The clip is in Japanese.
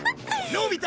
のび太！